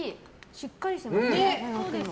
しっかりしてますね。